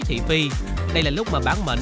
thị phi đây là lúc mà bản mệnh